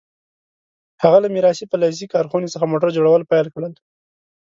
هغه له میراثي فلزي کارخونې څخه موټر جوړول پیل کړل.